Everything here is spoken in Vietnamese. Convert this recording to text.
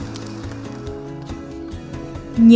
các em nhớ